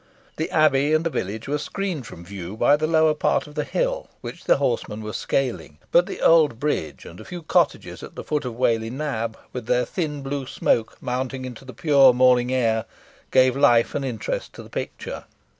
The Abbey and the village were screened from view by the lower part of the hill which the horsemen were scaling; but the old bridge and a few cottages at the foot of Whalley Nab, with their thin blue smoke mounting into the pure morning air, gave life and interest to the picture.